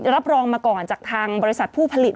รับรองมาก่อนจากทางบริษัทผู้ผลิต